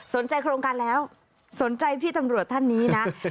โครงการแล้วสนใจพี่ตำรวจท่านนี้นะ